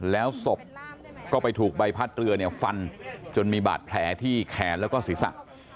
แล้วศพก็ไปถูกใบพัดเรือเนี่ยฟันจนมีบาดแผลที่แขนแล้วก็ศีรษะ